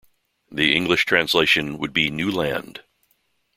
The English translation would be "new land".